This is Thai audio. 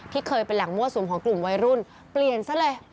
เคยเป็นแหล่งมั่วสุมของกลุ่มวัยรุ่นเปลี่ยนซะเลย